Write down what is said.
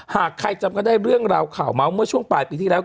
หากใครจำก็ได้เรื่องราวข่าวเมาส์เมื่อช่วงปลายปีที่แล้ว